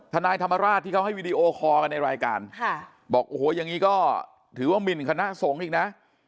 ทนายธรรมราชที่เขาให้วีดีโอคอลกันในรายการบอกโอ้โหอย่างนี้ก็ถือว่าหมินคณะสงฆ์อีกนะ